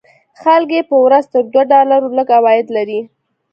خلک یې په ورځ تر دوو ډالرو لږ عواید لري.